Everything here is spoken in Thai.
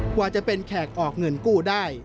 กว่าจะเป็นแขกออกเงินกู้ได้